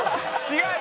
違う！